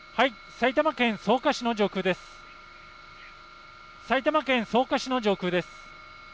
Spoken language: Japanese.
埼玉県草加市の上空です。